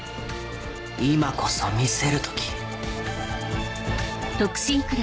今こそ見せる時。